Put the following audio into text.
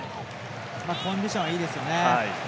コンディションはいいですよね。